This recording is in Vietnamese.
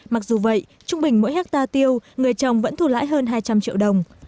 mặc dù vậy trung bình mỗi hectare tiêu người trồng vẫn thù lãi hơn hai trăm linh triệu đồng